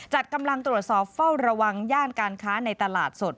จัดกำลังตรวจสอบเฝ้าระวังย่านการค้าในตลาดสด